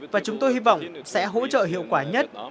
và chúng tôi hy vọng sẽ hỗ trợ hiệu quả nhất